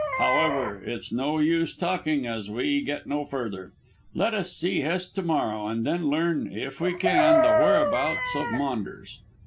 However, it's no use talking, as we get no further. Let us see Hest to morrow, and then learn, if we can, the whereabouts of Maunders.